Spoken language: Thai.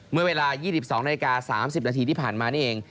เมื่อเวลา๒๒นาฬิกา๓๐นาทีที่ผ่านมานี่เอง